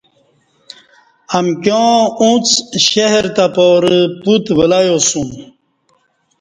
امکیاں اݩڅ شہر تہ پارہ پُوت ولیاسُوم